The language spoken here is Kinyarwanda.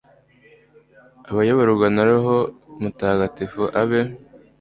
abayoborwa na roho mutagatifu, abe